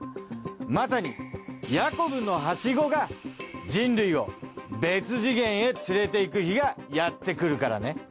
まさにヤコブの梯子が人類を別次元へ連れて行く日がやってくるからね。